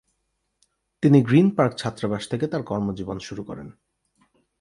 তিনি Green Park ছাত্রাবাস থেকে তার কর্মজীবন শুরু করেন।